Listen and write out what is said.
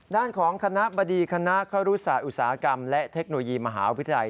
ด้านของคณะบดีคณะครุศาสตอุตสาหกรรมและเทคโนโลยีมหาวิทยาลัย